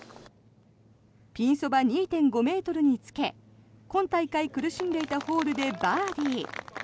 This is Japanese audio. ピンそば２．５ｍにつけ今大会苦しんでいたホールでバーディー。